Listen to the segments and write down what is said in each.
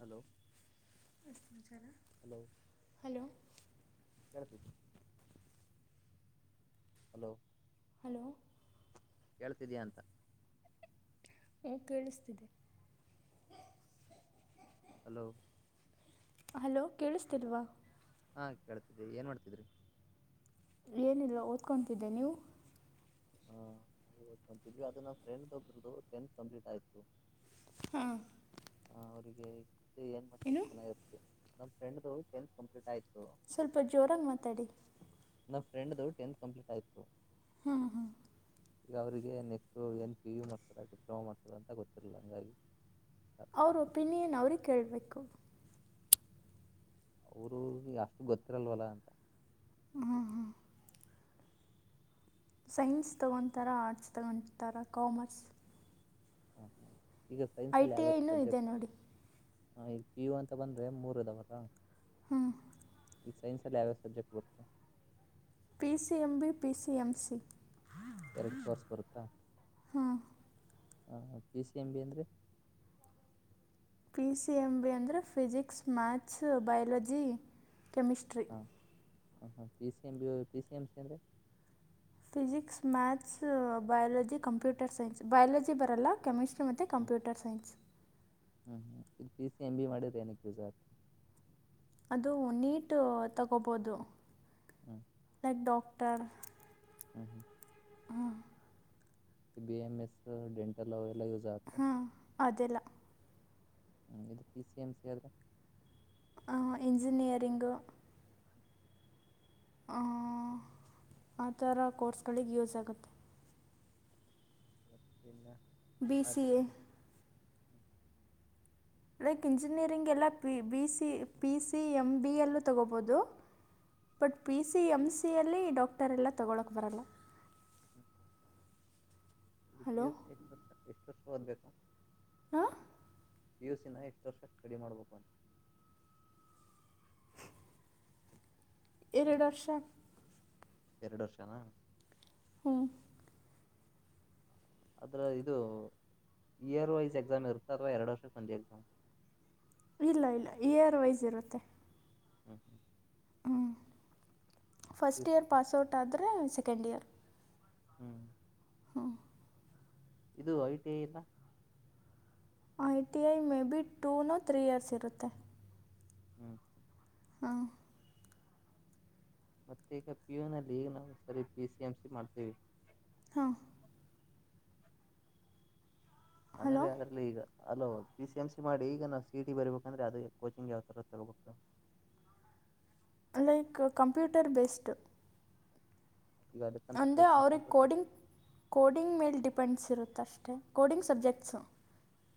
Hello hello ಕಳ್ಸ hello hello ಕೇಳ್ತಿದೀಯಾಂತ ಹ್ಮ ಕೇಳಿಸ್ತಿದೆ ಹಲೋ [inaudible] ಹಲೋ ಕೇಳಿಸ್ತಿಲ್ವಾ ಹಾ ಕೇಳ್ತಿದಿ ಏನ್ ಮಾಡ್ತಿದ್ರಿ ಏನಿಲ್ಲ ಓದ್ಕೊತಿದ್ದೆ ನೀವು [inaudible] ಹ ಓದಂತಿದ್ವಿ ಅದ ನ ಫ್ರೆಂಡ್ ಒಬ್ರದ್ದು ಟತ್ ಕಂಪ್ೀಟ್ ಆಯ್ತು ಹಾ ಅವ್ರರಿಗೆ ಏನ್ ಮಾಡ್ತ ಚೆನ್ನಾಗಿರುತ್ತೆ ನಮ್ ಫ್ರೆಂಡ್ ಟತ್ ಕಂಪ್ಲೀಟ್ ಆಯತು ಸ್ವಲ್ಪ ಜೋರಾಗಿ ಮಾತಾಡಿ ನಮ್ಮ ಫ್ರೆಂಡ್ದು ಟೆಂತ್ ಕಂಪ್ಲೀಟ್ ಆಯತು ಹಾ ಹಾ ಈಗ ಅವರಿಗೆ ನೆಕ್ಸ್ಟು ಏನ್ ಪಿ ಯು ಮಾಡ್ತದ ಡಿಪ್ಲೊಮಾ ಮಾಡ್ತದ ಅಂತ ಗೊತ್ತಿರಲಿಲ್ಲ ಹಂಗಾಗಿ ಅವ್ರ ಒಪಿನಿಯನ್ ಅವ್ರಿಗೆ ಕೇಳಬೇಕು ಅವ್ರ ಅಷ್ಟು ಗೊತ್ತಿರಲ್ವಲ್ಲ ಅಂತ ಹ್ಮ ಹಾ ಸೈನ್ಸ್ ತಗೊತಾರೆ ಆರ್ಟ್ಸ್ ತಗೊತಾರ ಕಾಮರ್ಸ್ ಹಾ ಹಾ ಈಗ ಐ ಸೈನ್ಸಲ್ಲಿ ಟಿ ಯಾವತ್ತು ಐನೂ ಇದೆ ಸಬ್ಜೆಕ್ಟು ನೋಡಿ ಹ ಈ ಪು ಅಂತ ಬಂದ್ರೆ ಮೂರದವರ ಹ್ಮ [inaudible] ಈ ಸೈನ್ಸ ಲ ಸಜೆಕ್ ಪತ P C M B P C M C ಎರಡು ಕೋರ್ಸ್ ಹಾ ಪಿ ಸಿ ಎಂ ಬಿ ಅನ್ೀ ಪಿ ಸಿ ಎಂ ಬಿ ಅಂದರೆ ಫಿಸಿಕ್ಸ್ ಮ್ಯಾಥ್ಸ್ ಬಯಾಲಜಿ ಕೆಮಿಸ್ಟ್ರಿ ಹಾ ಹ ಹ P C M B P C M C ಅಂದ್ರರಿ physics maths biology computer science biology ಬರಲ್ಲ chemistry ಮತ್ತುತ್ತೆ ಹ್ಮ್ ಕಂಪ್ಯೂಟರ್ ಸೈನ್ಸ್ ಹ್ಮ್ ಹ್ಮ್ ಇ ಪ ಸಿ ಎಂ ಬಿ ಮಾಡಿದ್ರೆ ನಕ್ಕೆ ಯೂಸ ಆತ ಅದು ನೀಟು ತಗೋಬೋದು ಹ್ಮ್ ಲೈಕ್ ಡಾಕ್ಟರ್ ಹ್ಮ್ ಹ್ಮ್ B M S dental use ಆಗುತ್ತೆ ಹಾ ಅದೆಲ್ಲ ಹ್ಮ ಇದು ಪಿ ಸಿ ಎಂ ಸಿ ಆದ್ರೆ ಇಂಜಿನಿಯರಿಂಗು ಹ ಆಥರ ಕೋರ್ಸ್ಗಳಿಗೆ ಯೂಸ್ ಆಗುತ್ತೆ ನ್ನ [inaudible] ಬಿ ಸಿ ಎ ಹ್ಮ್ ಲೈಕ್ ಇಂಜಿನಿಯರಿಂಗ್ ಎಲ್ಲ ಪಿಸಿ ಎಂ ಬಿಿಯಲ್ಲೂ ತಗೋಬೋದು ಬಟ್ ಪಿ ಸಿ ಎಮ್ಸಿಯಲ್ಲಿ ಡಾಕ್ಟರೆಲ್ಲ ತೊಗೊಳಕ್ಕೆ ಬರೋಲ್ಲ [inaudible] ಷ ಹಲೋ ಎಷ್ಟು ವರ್ಷವ್ಬೇಕು ಹ ಪಿ ಯುಸಿನ ಎಷ್ಟು ವರ್ಷ ಸ್ಟಡಿ ಮಾಡ್ಬೇಕು ಅಂತ ರದರ್ಶನ್ ಎರಡು ವರ್ಷನಾ ಹ್ಮ್ ಅದ್ರ ಇದು ಇಯರ್ ವೈಸ್ ಎಕ್ಸಾಮ್ ಇರ್ತ್ತ ಅಥವಾ ಎರಡು ವರ್ಷ ಸಂಜೆ ಎಕ್ಸಾಮ್ ಇಲ್ಲ ಇಲ್ಲ ಏಯರ್ ವೈಸ್ ಇರುತ್ತೆ ಹ್ಮ್ ಹ್ಮ್ P U first C year pass out ಆದರೆ ಸೆಕೆಂಡ್ ಇಯರ್ ಹ್ಮ್ ಹಾ ಇದು ಐ ಟಿ ಐ ಇಲ್ಲ I T I may be two no three years ಇರುತ್ತೆ ಹ್ಮ್ ಹ್ಮ್ ಹಾ ಮತ್ತೀಗ ಪಿಯೋನಲ್ಲಿ ಈಗ ನಾವು ಸರಿ ಪಿಸಿಎಂಸಿ ಮಾಡ್ತೇವೆ ಹಾ ಹಲೋ ಆಮೇಲೆ ಅದ್ರಲ್ಲ ಈಗ ಅಲೋ ಪಿ ಸಿ ಎಮ್ ಸಿ ಮಾಡಿ ಈಗ ನಾವು ಸಿಟಿ ಬರಬೇಕುಂದ್ರೆ ಅದು ಕೋಚಿಂಗ್ ಯಾವ ಥರ ತಗೋಬೇಕು ಲೈಕ್ ಕಂಪ್ಯೂಟರ್ ಬೇಸ್ಡ್ ಈಗ ಅದಕ್ಕಂತ ಅಂದರೆೆ ಕೋಚಿಂಗ್ ಅವ್ರಿಗೆ ಸೆಂಟರ್ ಸರ್ ಕೋಡಿಂಗ್ ಕೋಡಿಂಗ್ ಮೇಲೆ ಡಿಪೆಂಡ್ಸ್ ಇರುತ್ತೆ ಮಷ್ಟೇ ಕೋಡಿಂಗ್ ಸಬ್ಜೆಕ್ಟ್ಸು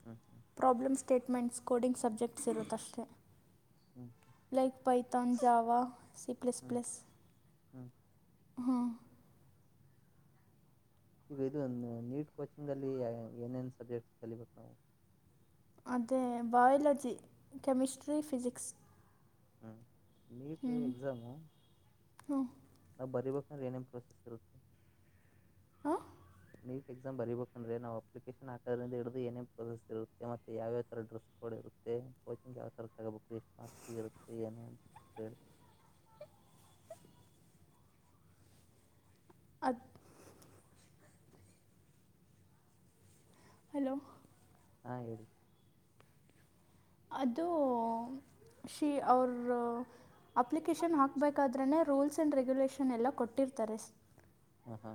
ಹ್ಞೂ ಪ್ರಾಬ್ಲಮ್ ಸ್ಟೇಟ್ಮೆಂಟ್ಸ್ ಕೋಡಿಂಗ್ ಸಬ್ಜೆಕ್ಟ್ಸ್ ಇರುತ್ತಷ್ಟೆ ಹ್ಞೂ ಲೈಕ್ ಪೈತನ್ ಜಾವ ಸಿ ಪ್ಲಸ್ ಹ್ಞೂ ಪ್ಲಸ್ ಹ್ಞೂ ಹಾ ಈಗ ಇದು ನೀಟ್ ಕೋಚಿಂಗಲ್ಲಿ ಏನೇನು ಸಬ್ಜೆಕ್ಟ್ ಕಲಿಬೇಕು ನಾವು ಅದೇ ಬಯಾಲಜಿ ಕೆಮಿಸಿಸಟ್ರಿ ಫಿಜಿಕ್ಸ್ ಹ್ಮ ನೀಟ್ ಎಕ್ಸಾಮು ಹ್ಞೂ ನಾವ್ ಬರಿಬೇಕ ಏನೇನು ಪ್ರೋಸೆಸ್ ಇರುತ್ತೆ ಹಾ ನೀಟ್ ಎಕ್ಸಾಮ ಬೀಬೇಕಂದ್ರೆ ನಾವು ಅಪ್ಲಿಕೇಶನ್ ಹಾಕೋ್ರಿಂದ ಹಡಿದ ಏೇನ್ ಪ್ರೊಸೆಸ್ ಇತ್ತೆತ್ತ ಯಾವರ ಡ್ರೆಸ್ ಕಡ್ ಇತ್ತೆ ಕೋಚಿಂಗ್ ಯಾವ ಥರ ತಗೋಬೇಕು ಎಷ್ಟು ಮಾರ್ಕ್ ಸಿಗಿರುತ್ತೆ ಏನು ಅಂತ ಹೇಳ ಹದು ಹಲೋ ಹಾ ಹೇಳಿ ಅದು ಶೀ ಅವ್ರ ಅಪ್ಲಿಕೇಶನ್ ಹಾಕ್ಬೇಕಾದ್ರನನೆ ರೂಲ್ಸ್ ಅ್ಯಂಡ್ ರೆಗ್ಯುಲೇಷನ್ ಎಲ್ಲ ಕೊಟ್ಟಿರ್ತಾರೆ ಆ ಹಾ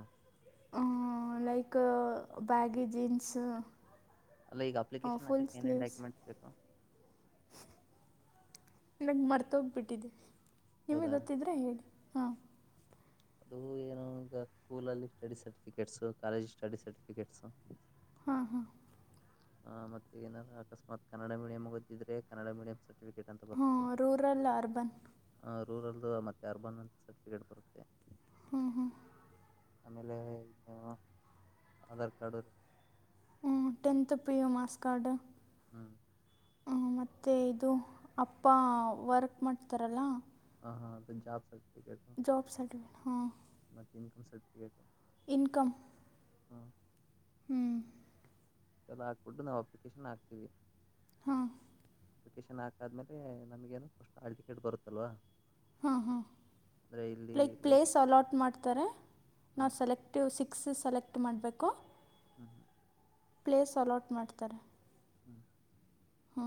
ಲೈಕ್ ಬ್ಯಾಗಿ ಜೀನ್ಸ್ ಅಲ್ಲ ಈಗ ಅಪ್ಲಿಕೇಶನ್ ಫುಲ್ ಹಾಕಕ್ ಏನೇನ್ ಸ್ಲೀವ್ಸ್ ಡಾಕ್ಯುಮೆಂಟ್ಸ್ ಬೇಕು ನಗ್ ಮರ್ತ ಹೋಗ್ಬಿಟ್ಟಿದೆೆ ನಿಮ್ ಹೌದಾ ಗೊತ್ತಿದ್ರೆ ಹೇಳಿ ಹಾಂ ಅದು ಏನು ಈಗ ಸ್ಕೂಲಲ್ಲಿ study certificates college study certificates ಹಾ ಹಾ ಆ್ ಮತ್ತೆ ಏಾದ ಅಕಸ್ಮತ್ ಕನ್ನಡ ಮೀಡಿಯಂ ಓದ್ದಿದ್ರೆ ಕನ್ನಡ ಮೀಡಿಯಂ ಸ ಹ್ಮ ರೂರಲ್ ಅರ್ಬನ್ ರೂರಲ್ದು ಮತ್ತುತ್ತ ಅರ್ಬನ್ ಅಂತ ಸರ್ಟಿಫಿಕೇಟ್ ಬರುತ್ತೆ ಹ್ಮ ಹಾ ಆಮೇಲೆ ಇ ಆಧಾರ್ ಕಾರ್ಡು ರ ಹ್ಮ ಟೆನತ್ ಪ್ರಿಯು ಮಾಸ್ ಕಾರ್ಡ್ ಹ್ಮ ಮತ್ತುತ್ತೆ ಇದು ಅಪ್ಪ ವರ್ಕ್ ಮಾಡ್ತಾರಲ್ಲ ಹ ಹಾ ಜ ಸಬೇಕ ಜಬ್ ಸರಫಿಕೇಟ್ ಹಾ ಇನ್ಕ ಸರ್ಟಿಫಿಕೇಟ್ ಇನ್ಕಮ ಹಾ ಹ್ಮ್. ಎಲ್ಲ ಹಾಕ್ಬಿಟ್ಟು ನಾವು ಅಪ್ಲಿಕೇಶನ್ ಹಾಕ್ತಿೀವಿ. ಹಾ. ಪ್ಕೇಶನ್ ಹಾಕಾದ್ಮೇಲೆ ನಮಗೇನು ಫಸ್ಟ್ ಆಳ್ ಟಿಕೆಟ್ ಬರುತ್ತಲ್ವಾ ಹಾ ಹಾ. ಅಂದ್ರೆ ಇಲ್ಲಿ ಲೈಕ್ ಪ್ಲೇಸ್ ಅಲಾಟ್ ಮಾಡ್ತಾರೆ ನಾವು ಹ್ಮ್ ಸೆಲೆಕ್ಟಿವ್ ಸಿಕ್ಸ್ ಸೆಲೆಕ್ಟ್. ಎಟ್ಟು ಮಾಡಬೇಕು. ಹ್ಮ ಹ್ಮ. ಪ್ಲೇಸ್ ಅಲಾಟ್ ಮಾಡ್ತಾರೆ. ಹ್ಮ್. ಹಾ.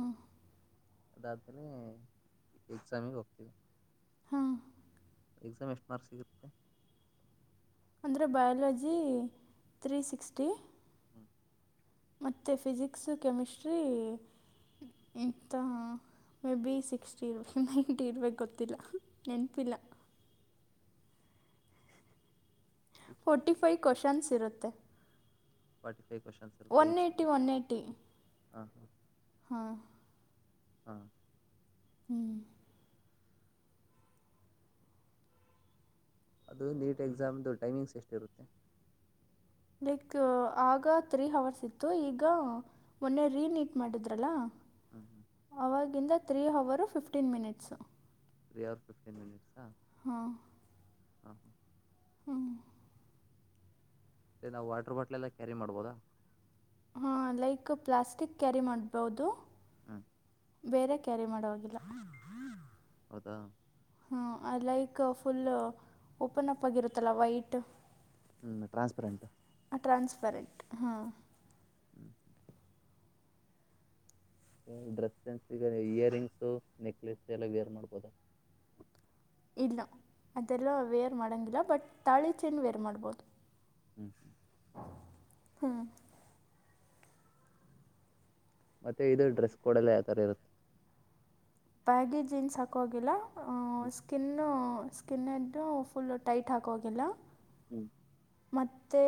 ಅದಾದ್ಮಲೆ ಎಕ್ಸಾಮಿಗೆ ಹೋಗ್ತೀವಿ. ಹಾಂ ಎಕ್ಸಾಮ್ ಎಷ್ಟು ಮಾರ್ಕ್ ಸಿಗರುತ್ತೆ. ಅಂದರೆೆ ಬಯಾಲಜಿ ತ್ರೀ ಸಿಕ್ಸ್ಟಿ. ಹ್ಮ್. ಮತ್ತೆ ಫಿಸಿಕ್ಸ್ ಕೆಮಿಸ್ಟ್ರಿ ಇಂಥ. ಮೇ ಬಿ ಸಿಕ್ಸ್ಟಿ ಇರ್ಬೇಕ ನೈಂಟಿ ಇರ್ಬೇಕ ಗೊತ್ತಿಲ್ಲ ನೆನಪಿಲ್ಲ. ಫೋರ್ಟಿ ಸಿಕ್ಸ್ಟಿ ಫೈ ಕ್ವಶನ್ಸ್ ಇರುತ್ತೆ. ಪಟ್ಟ. One ಎಯಿ one ಎಯಿ. ಹಾ ಹಾ. ಹಾ. ಹಾ. ಹ್ಮ್. ಅದು ನೀಟ್ ಎಕ್ಸಾಮ್ದು ಟೈಮಿಂಗ್ಸ್ ಎಷ್ಟಿರುತ್ತೆ. ಲೈಕ್ ಆಗ ತ್ರೀ ಅವರ್ಸ್ ಇತ್ತು ಈಗ ಮೊನ್ನೆ ರೀನೀಟ್ ಮಾಡಿದ್ರಲ್ಲ. ಹ್ಞೂ ಹ್ಞೂ ಅವವಾಗಿಂದ ತ್ರೀ ಅವವರು ಫಿಫ್ಟೀನ್ ಮಿನಿಟ್ಸ್. ತ್ರೀ ಆ ಅವರ್ ಫ್ಟೀ ಮಿನಿಟ್ಸ್. ಹಾ. ಹಾ ಹಾ. ಹ್ಮ. ಮತ್ತೆ ನಾವು ವಾಟರ್ ಬಾಟ್ಲ್ ಎಲ್ಲ ಕ್ಯಾರಿ ಮಾಡ್ಬೋದಾ. ಹಾ ಲೈಕ್ ಪ್ಲಾಸ್ಟಿಕ್ ಕ್ಯಾರಿ ಮಾಡ್ಬಹದು. ಹ್ಮ. ಬೇರೆ ಕ್ಯಾರಿ ಮಾಡುವೋಗಲ್ಲ. ಹೌದಾ. ಹಾ ಲೈಕ್ ಫುಲ್ ಓಪನ್ ಅಪ್ ಆಗಿರುತ್ತಲ್ಲ ವೈಟ್. ಹ್ಮ್ ಟ್ರಾನ್ಸ್ಪರಂಟ್. ಟ್ರಾನ್ಸ್ಪರೆಂಟ್ ಹಾಂ. ಹ್ಮ್ ಹ್ಮ. ಡ್ರೆಸ್ ಸೆನ್ಸ್ಗ ನೀ ಇಯರಿಂಗ್ಸು ನೆಕ್ಲೆಸ್ ಎಲ್ಲ ವೇರ್ ಮಾಡ್ಬೋದ. ಇಲ್ಲ ಅದೆಲ್ಲ ವೇರ್ ಮಾಡೋಂಗಿಲ್ಲ ಬಟ್ ತಾಳಿ ಚೆನ್ ವೇರ್ ಮಾಡ್ಬೋದು. ಹ್ಮ್ ಹ್ಮ್. ಹ್ಮ. ಮತ್ತೆ ಇದು ಡ್ರೆಸ್ ಕೋಡಲ್ಲಿ ಯಾವ ಥರ ಇರುತ್ತೆ. ಬ್ಯಾಗಿ ಜೀನ್ಸ್ ಹಾಕೋಗಲ್ಲ ಹ್ಞೂ ಸ್ಕಿನ್ನು. ಸ್ಕಿನ್ ಎ್ದು ಫುಲ್ ಟೈಟ್ ಹಾಕೋಗಿಲ್ಲ. ಹ್ಮ್. ಮತ್ತೆ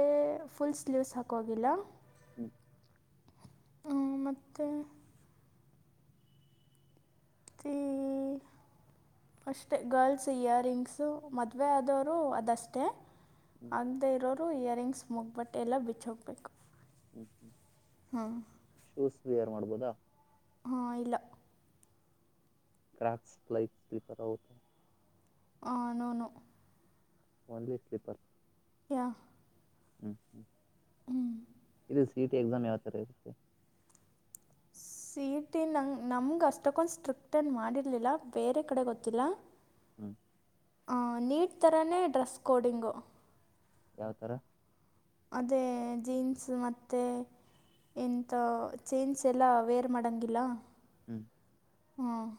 ಫುಲ್ ಸ್ಲೀವ್ಸ್ ಹಾಕೋಗಿಲ್ಲ. ಹ್ಮ. ಮ ಹ ಅಷ್ಟೆ ಗರ್ಲ್ಸ್ ಇಯರಿಂಗ್ಸು ಮದುವೆ ಆದವರು ಅದಷ್ಟೆ ಹ್ಞೂ ಆಗದೆ ಇರೋರು ಇಯರಿಂಗ್ಸ್ ಮುಗ್ಬಟ್ಟೆ ಎಲ್ಲ ಬಿಚ್ಚ ಹೋಗ್ಬೇಕು ಹ್ಮ್ ಹ್ಮ್ ಶೂಸ್ ವಿಯರ್ ಮಾಡ್ಬೋದಾ ಹಾ ಇಲ್ಲ ಕ್ರಾಕ್ಸ್ ಲ ಲೈಕ್ ಸ್ಲಿಪರ ಹೊತ ಹ ನೂನು ಓನ್ಲಿ ಸ್ಲಿೀಪರ್ ಯ ಹ್ಮ್ ಹ್ಮ್ ಹ್ಮ್ ಇ ಎಾಮ ಯಾವತ [unintelligible] ಸಿ ಟಿ ನಂಗೆ ನಮ್ಗೆ ಅಷ್ಟಕ್ಕೊಂದು ಸ್ಟ್ರಿಕ್ಟನ್ ಮಾಡಿರಲಿಲ್ಲ ಬೇರೆ ಕಡೆ ಗೊತ್ತಿಲ್ಲ ಹ್ಮ್ ಆ ನೀಟ್ ತರಾನೇ ಡ್ರೆಸ್ ಕೋಡಿಂಗು ಯಾವತರ ಅದೇ ಜೀನ್ಸ್ ಮತ್ತೆ ಎಂತ ಚೇಂಸ್ ಎಲ್ಲಾ ವೇರ್ ಮಡಂಗಿಲ್ಲ ಹ್ಮ್ ಹ್ಮ್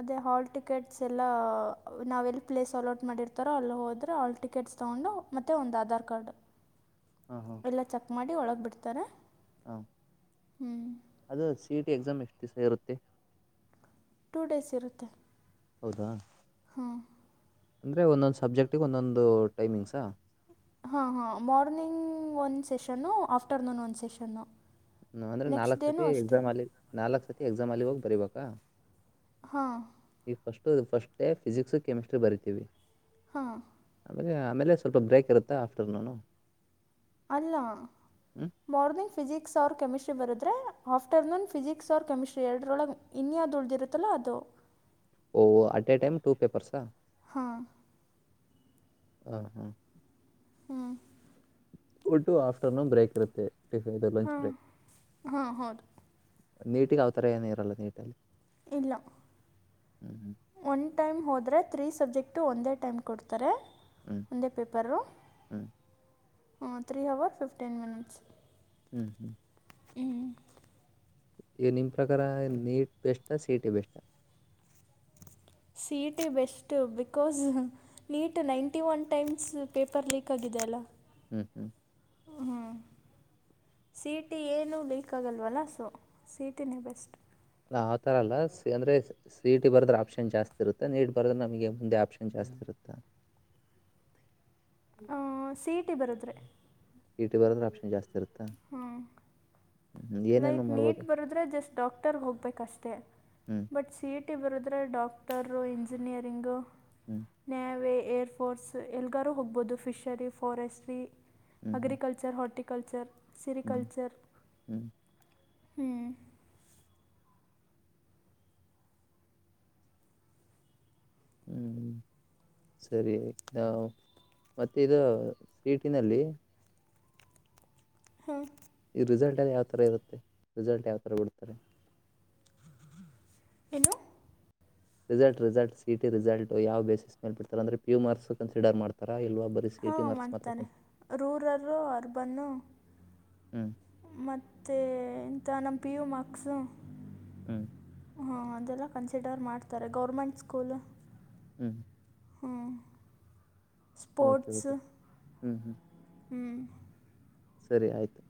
ಅದೇ ಹಾಲ್ ಟಿಕೆಟ್ಸ್ ಎಲ್ಲಾ ನಾವ್ ಎಲ್ ಪ್ಲೇಸ್ ಅಲಾಟ್ ಮಾಡಿರ್ತಾರೋ ಅಲ್ಲಿ ಹೋದ್ರೆ ಹಾಲ್ ಟಿಕೆಟ್ ತೊಂಡು ಮತ್ತೆ ಒಂದು ಆಧಾರ್ ಕಾರ್ಡ್ ಹಾ ಹಾ ಎಲ್ಲ ಚೆಕ್ ಮಾಡಿ ಒಳಗೆ ಬಿಿಡ್ತಾರೆ ಹಾ ಅದು ಸಿ ಇ ಟಿ ಎಕ್ಸಾಮ್ ಎಷ್ಟು ದಿವಸ ಇರುತ್ತೆ ಟೂ ಡೇಸ್ ಇರುತ್ತೆ ಹೌದಾ ಹಾಂ ಅಂದ್ರೆ ಒಂದೊಂದು ಸಬ್ಜೆಕ್ಟಿಗೆ ಒಂದೊಂದು ಟೈಮಿಂಗ್ಸಾ ಹಾ ಹಾ ಮಾರ್ನಿಂಗ್ ಒಂದ್ ಸೆಷನ್ನು ಆಫ್ಟರ್ನೂನ್ ಒಂದ ಸೆಷನ್ನು ಅಂದ್ರೆ ನೆಕ್ಸ್ಟ್ ನಾಲ್ಕು ಡೇನೂ ಸತಿ ಅಷ್ಟೇ ಎಕ್ಸಾಮ್ ಅಲ್ಲಿ ನಾಲ್ಕು ಸತಿ ಎಕ್ಸಾಮ್ ಅಲ್ಲಿ ಹೋಗಿ ಬರಿಬೇಕಾ ಹಾ ಈಗ ಫಸ್ಟ್ ಫಸ್ಟ್ೇ ಫಿಸಿಕ್ಸ್ ಕೆಮಿಸ್ಟ್ರಿ ಬರಿತೀವಿ ಹಾ ಆಮಲೆ ಆಮೇಲೆ ಸ್ವಲ್ಪ ಬ್ರೇಕ್ ಇರುತ್ತೆ ಆಫ್ಟರ್ನೂನು ಅಲ್ಲ ಹ್ಞೂ ಮರ್ನಿಂಗ್ ಫಿಕ್ಸ್ ಅವ್ರ ಕ ಕೆಮಿಸ್ಟ್ರಿ ಬರ್ರ ಆಫ್ಟರ್ನೂನ್ ಫಿಕ್ಸ್ ಅವ್ರ ಕೆಮಿಸ್ಟ್ರಿ ಎರಡರೊಳಗ್ ಇನ್ಯ್ದ್ ಉಳ್ದಿರುತ್ತಲ್ಲ ಅದು ಓಹ ಅಟ್ ಎ ೈಮ್ ಟೂ ಪೇಪರ್ಸಾ ಹಾ ಹಾ ಹಾ ಹ್ಮ್ ಟು ಆಫ್ಟರ್ನೂನ್ ಬ್ರೇಕ್ ಇರುತ್ತೆ ಟಫ ಇದು ಲಂಚ್ ಹಾಂ ಬ್ರೇಕ್ ಹಾಂ ಹೌದು ನೀಟಿಗೆ ಅವತರ ಏನ ಇರಲ್ಲ ನೀಟಲ್ಲಿ ಇಲ್ಲ ಹ್ಮ ಒನ್ ಟೈಮ್ ಹೋದ್ರೆ ತ್ರೀ ಸಬ್ಜೆಕ್ಟು ಒಂದೇ ಟೈಮ್ ಕೊಡ್ತಾರೆ ಹ್ಞೂ ಒಂದೇ ಪೇಪರು ಹ್ಞೂ ತ್ರೀ ಹವರ್ ಫಿಫ್ಟೀನ್ ಮಿನಿಟ್ಸ್ ಹ್ಮ್ ಹ್ಮ್. ಹ. ನಿಮ್ ಪ್ರಕಾರ NEET best CE T best. C E T best because NEET ninety one times paper leak ಆಗಿದೆ. ಬದಲ [unintelligible] ಹ್ಮ್ ಹ್ಮ್. ಹ್ಮ್. ಸಿಇಟಿ ಏನುೂ ಲೀಕ್ ಆಗಲ್ವಲ್ಲ ಸೊ ಸಿಇಟಿನೇ ಬೆಸ್ಟ್. ಆ ತರ ಅಲ್ಲ ಸಿ ಅಂದ್ರೆ ಸಿಟ್ ಬರ್ದ್ರ ಆಪ್ಷನ್ ಜಾಸ್ತಿ ಇರುತ್ತೆ ನೀಟ್ ಬರ್ದ್ರೆ ನಮಗೆ ಮುಂದೆ ಆಪ್ಷನ್ ಜಾಸ್ತಿ ಇರುತ್ತೆ. [unintelligible] ಆ ಸಿಇ ಟಿ ಬರುದ್ರೆ. ಸೀಟು ಬರೋದ್ರೆ ಆಪ್ಷನ್ ಜಾಸ್ತಿ ಇರುತ್ತಾ. ಹ್ಮ್ ಏನೇನು ಲೈಕ್ ನೀಟ್ ಮಾಡ್ಬೋದು ಬರದ್ರೆ ಜಸ್ಟ್ ಡಾಕ್ಟರ್ ಹೋಗ್ಬೇಕಷ್ಟೇ ಹ್ಮ್ ಬಟ್ ಸೀಇಟ್. ಿ ಬರುದ್ರೆ ಡಾಕ್ಟರ್ ಇಂಜಿನಿಯರಿಂಗು ಹ್ಮ್ ನಾವೇ. ಏರ್ ಫೋರ್ಸ್ ಎಲ್ಗಾರು ಹೋಗ್ಬಹುದು ಫಿಷರಿ ಫಾರೆಸ್ಟ್ರಿ ಹ್ಮ್ ಹ್ಮ್ ಅಗ್ರಿಕಲ್ಚರ್ ಹಾರ್ಟಿಕ ಕಲ್ಚರ್ ಸರಿ ಹ್ಮ್ ಕಲ್ಚರ್ ಹ್ಮ್ ಹ್ಮ. ಹ್ಮ್್ಮ. ಸರಿ ನಾ ಮತ್ತೆ ಇದು ಸಿಇಟಿನಲ್ಲಿ. ಹಾ. ಈ ರಿಸಲ್ಟ್ ಎಲ್ಲಿ ಯಾವತರ ಇರುತ್ತೆ ರಿಸಲ್ಟ್ ಯಾವ್ತರ ಬಿಡ್ತಾರೆ. Hello. Result result CET result ಯಾವ ಬೇಸಿಸ್ ಮೇಲ್ ಬಿಡ್ತಾರೆ ಅಂದ್ರ ಪು ಮಾರ್ಕ್ಸ್ ಕನ್ಸಿಡರ್ ಮಾಡತಾ ಇಲ್. ಹಾಂ ಮಾಡ್ತಾನೆ ರೂರರು ಅರ್ಬನ್ನು. ಹ್ಮ್ ಮೆ ಇಂಥ ನಮ್ಮ ಪಿ ಯು ಮಾರ್ಕ್ಸು. ಹ್ಮ್. ಹಾಂ ಅದೆಲ್ಲ ಕನ್ಸಿಡರ್ ಮಾಡ್ತಾರೆ ಗೌರ್ಮೆಂಟ್ ಸ್ಕೂಲು. ಹ್ಮ್. ಹಾ. ಓಕೆ ಓಕೆ ಹ್ಮ್ ಹ್ಮ. ಹ್ಮ್. ಸರಿ ಆಯ್ತು.